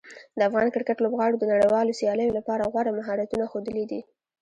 د افغان کرکټ لوبغاړو د نړیوالو سیالیو لپاره غوره مهارتونه ښودلي دي.